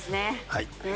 はい。